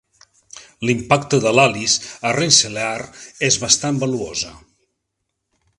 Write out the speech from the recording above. L'impacte de Lallys a Rensselaer és bastant valuosa.